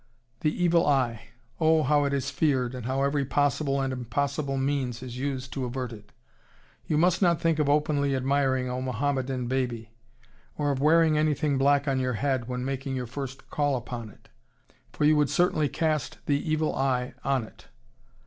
The Evil Eye, oh! how it is feared and how every possible and impossible means is used to avert it. You must not think of openly admiring a Mohammedan baby, or of wearing anything black on your head when making your first call upon it, for you would certainly cast the Evil Eye on it.